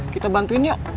kita bantuin yuk